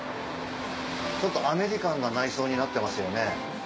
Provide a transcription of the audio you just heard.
ちょっとアメリカンな内装になってますよね。